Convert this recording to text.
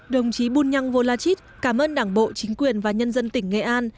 đồng chí bunyang volachit cảm ơn đảng bộ chính quyền và nhân dân tỉnh nghệ an